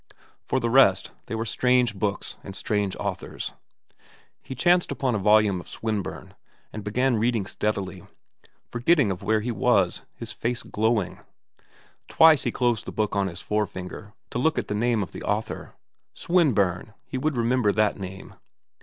For the rest, they were strange books and strange authors. He chanced upon a volume of Swinburne and began reading steadily, forgetful of where he was, his face glowing. Twice he closed the book on his forefinger to look at the name of the author. Swinburne! he would remember that name.